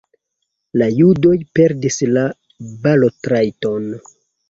La judoj perdis la balotrajton.